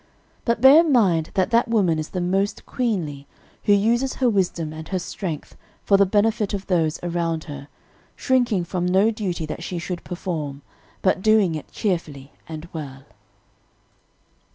But bear in mind that that woman is the most queenly, who uses her wisdom and her strength for the benefit of those around her, shrinking from no duty that she should perform, but doing it cheerfully and well.